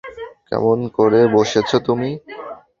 কেমন করে বসেছ তুমি।